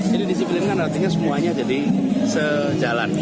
jadi disiplinkan artinya semuanya jadi sejalan